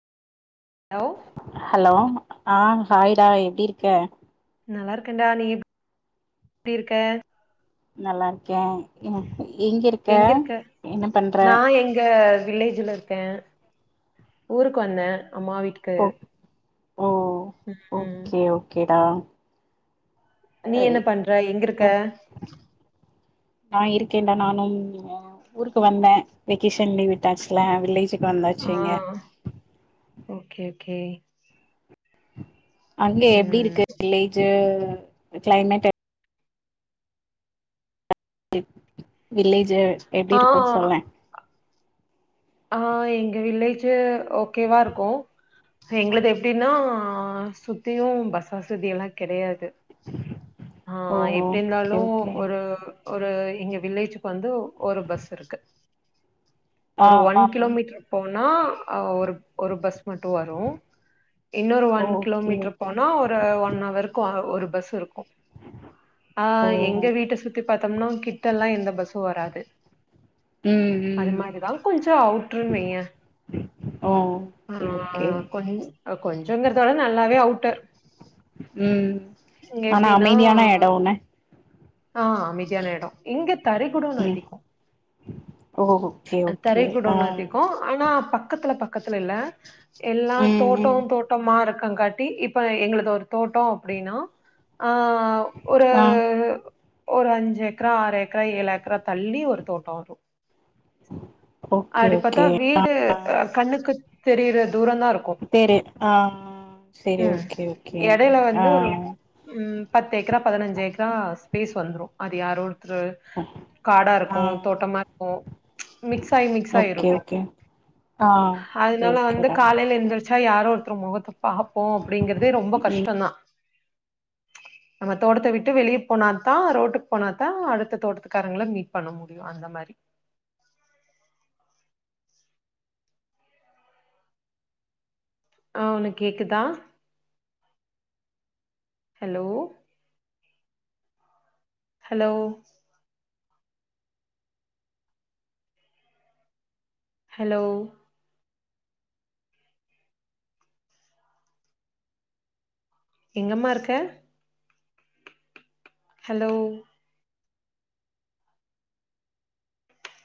அவ் ஹலோ ஆ காய்டா எப்டி இருக்க நல்லா இருக்கன்டா நீ [unintelligible] எப்டி இருக்க நல்லா இருக்கியா எங்க இருக் எங்க இருக்க நா எங்க வில்லேஜ்ல இருக் கே ஊருக்கு வந்தே அம்மா வீட் ஓக் ஓ ம் ஓகே ஓகேடா இப்ப நீ என்ன பண்ற எங்க இருக்க நா இருக்கேன்டா நானும் ஊருக்கு வந்தே வெகேஷன் லீவ் விட்டாச்சுல வில்லேஜுக் வந்தாச்சு ஆ இங்க ஓகே ஓகே அங்க எப்டி ம் இருக்கு வில்லேஜு கிளைமேட் வில்லேஜ்ஜு எப்டி ஆ இருக்கு சொல்லே ஆ எங்க வில்லேஜு ஓகேவார்க்கு எங்கள்து எப்டின்னா சுத்தியு பஸ் வசதி எல்லா கெடையாது ஆ ஓ ஓகே எப்டிர்ந்தாலு ஓகே ஒரு ஒரு இங்க வில்லேஜுக்கு வந்து ஒரு பஸ் இருக்கு ஆ ஒரு ஒன் ஆ கிலோமீட்டர் போனா ஒரு ஒரு பஸ் மட்டு வரூ இன்னொரு ஒன் ஓகே கிலோமீட்டர் ஓகே போனா ஒரு ஒன் அவருக்கு ஒரு பஸ் இருக் ஆ ஓ எங்க வீட்ட சுத்தி பாத்தம்னா கிட்ட எல்லா எந்த பஸ்ஸு வராது ம் ம் அது ம் மாரிதா கொஞ்சோ அவுட்டிர்ன் வையே ஓ ஆ ஓகே கொஞ் கொஞ்சங்கறதோட நல்லாவே அவுட்டர் ம் இங்க ஆனா எப்டின்னா அமைதியான இடோன்னே ஆ அமைதியான எடோ இங்க தறி குடோன்னு ம் அதிகொ ஓ ஓகே தறி ஓகே ஆ குடோன் அதிகோ ஆனா பக்கத்துல பக்கத்துல இல்ல எல்லா ம் தோட்டோ ம் தோட்டோமா இருக்கங் கா ட்டி இப்ப எங்களது ஒரு தோட்டோ அப்டின்னா ஆ ஒரு ஆ ஒரு அஞ்சு ஏக்ரா ஆறு ஏக்ரா ஏழு ஏக்ரா தள்ளி ஒரு தோட்ட வரு ஓகே அப்டி பாத்தா ஓகே வீடு கண்ணுக்கு தெரியிற தூரந் தாருக் தேரி ஆ சரி ம் ஓகே ஓகே ஆ உம் பத்தேக்ரா பதினஞ்சு ஏக்ரா ஸ்பேஸ் வந்துரு அது யாரோ ஒருத்தரு காடா ஆ ர்க்கு தோட்டமா ர்க்கு மிக்ஸ் மிக்ஸாயி மிக்ஸாயி ஓகே இருக்கு ஓகே ஆ ஓகே அதனால வந்து ஓகேடா காலையில எந்திரிச் ச்சா யாரோ ஒருத்தர் முகத்த பாப்போ அப்டிங்கிறதே ரொம்ப ம் கஷ்டந்தா நம்ம தோட்டத்த விட்டு வெளியே போனாதா ரோட்டுக்கு போனா தா அடுத்த தோட்டத்துக்காரங்கள மீட் பண்ண மு அந்த மாரி ஆ ஒனக் கேக்குதா ஹலோ ஹலோ ஹலோ எங்கம்மா ருக்க ஹலோ